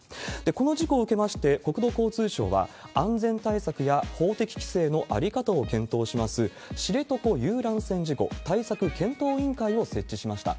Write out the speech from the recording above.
この事故を受けまして、国土交通省は、安全対策や法的規制の在り方を検討します、知床遊覧船事故対策検討委員会を設置しました。